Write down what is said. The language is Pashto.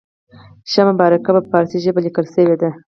شمه بارقه په پارسي ژبه لیکل شوې ده.